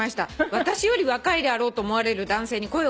「私より若いであろうと思われる男性に声を掛けられました」